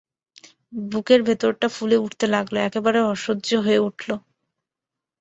বুকের ভিতরটা ফুলে উঠতে লাগল, একেবারে অসহ্য হয়ে উঠল।